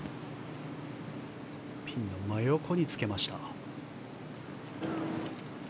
ピンの真横につけました。